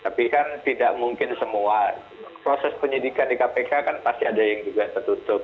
tapi kan tidak mungkin semua proses penyidikan di kpk kan pasti ada yang juga tertutup